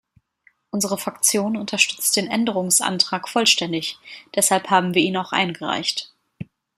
Unsere Fraktion unterstützt den Änderungsantrag vollständig, deshalb haben wir ihn auch eingereicht.